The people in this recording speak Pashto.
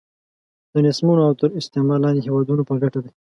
د نېستمنو او تر استعمار لاندې هیوادونو په ګټه دی.